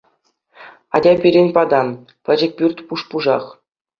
Атя пирӗн пата, пӗчӗк пӳрт пуш-пушах.